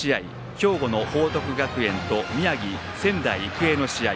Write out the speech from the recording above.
兵庫の報徳学園と宮城・仙台育英の試合。